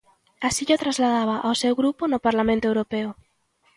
Así llo trasladaba ao seu grupo no Parlamento Europeo.